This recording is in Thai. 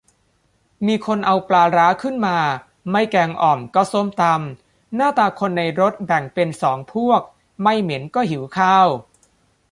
มีคนเอาปลาร้าขึ้นมา ไม่แกงอ่อมก็ส้มตำ หน้าตาคนในรถแบ่งเป็นสองพวก ไม่เหม็นก็หิวข้าว